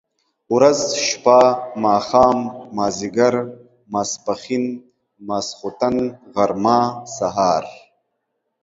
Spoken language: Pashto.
ورځ، شپه ،ماښام، ماځيګر، ماسپښن ، ماخوستن ، غرمه ،سهار،